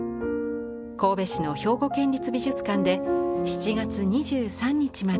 神戸市の兵庫県立美術館で７月２３日まで。